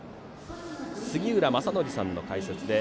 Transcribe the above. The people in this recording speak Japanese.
杉浦正則さんの解説